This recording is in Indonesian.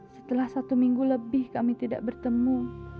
setelah satu minggu lebih kami tidak bertemu